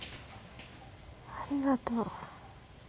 ありがとう。